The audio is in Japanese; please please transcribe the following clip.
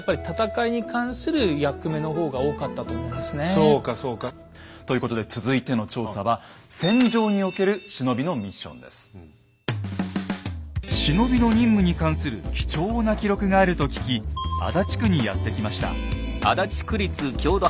そうかそうか。ということで続いての調査は忍びの任務に関する貴重な記録があると聞き足立区にやって来ました。